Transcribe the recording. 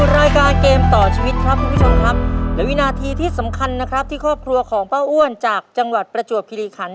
และวินาทีที่สำคัญนะครับที่ครอบครัวของป้าอ้วนจากจังหวัดประจวบภิริขัง